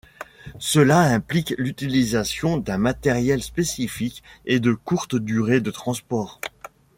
Cela implique l'utilisation d'un matériel spécifique et de courtes durées de transport.